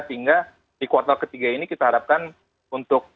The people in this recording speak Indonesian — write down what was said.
sehingga di kuartal ketiga ini kita harapkan untuk